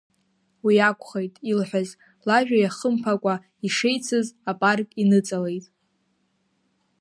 Уи акәхеит, илҳәаз лажәа иахымԥакәа, ишеицыз апарк иныҵалеит.